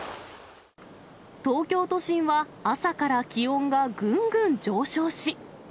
東京都心は朝から気温がぐんぐん上昇し。